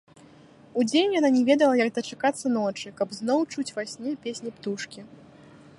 Удзень яна не ведала, як дачакацца ночы, каб зноў чуць ва сне песні птушкі.